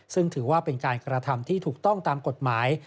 ซึ่งถือว่าเป็นการกระทำที่ถูกต้องตามกฎหมาย